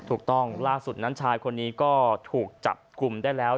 ถูกต้องล่าสุดนั้นชายคนนี้ก็ถูกจับกลุ่มได้แล้ว